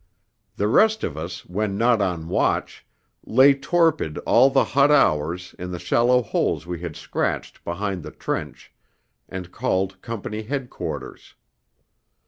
The rest of us, when not on watch, lay torpid all the hot hours in the shallow holes we had scratched behind the trench, and called Company Headquarters.